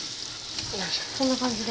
こんな感じで？